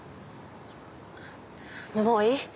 もういい？